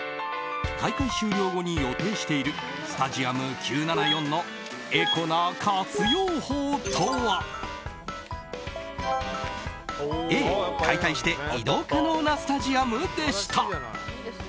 大会終了後に予定しているスタジアム９７４のエコな活用法とはＡ、解体して移動可能なスタジアムでした。